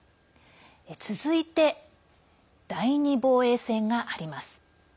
続いて、第２防衛線があります。